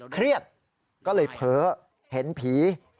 เครียดก็เลยเพ้อเห็นผี